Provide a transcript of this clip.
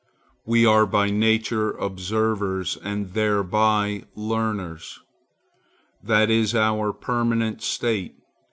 We are by nature observers, and thereby learners. That is our permanent state.